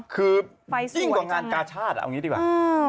คือยิ่งกว่างานกาชาติเอางี้ดีกว่า